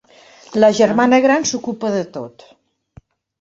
La germana gran s'ocupa de tot.